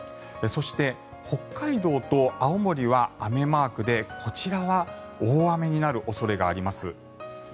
そして北海道と青森は雨マークでこちらは大雨になる恐れがあります。